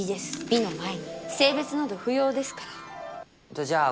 美の前に性別など不要ですからじゃあ